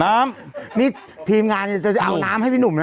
น้ำนี่ทีมงานจะเอาน้ำให้พี่หนุ่มนะ